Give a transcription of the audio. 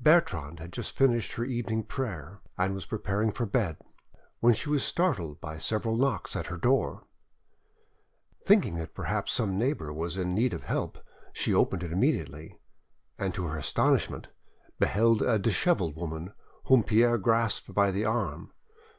Bertrande had just finished her evening prayer, and was preparing for bed, when she was startled by several knocks at her door. Thinking that perhaps some neighbour was in need of help, she opened it immediately, and to her astonishment beheld a dishevelled woman whom Pierre grasped by the arm.